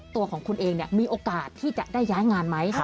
ตัวของคุณเองมีโอกาสที่จะได้ย้ายงานไหม